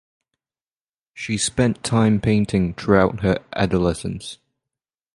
She spent time painting throughout her adolescence.